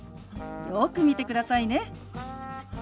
よく見てくださいね。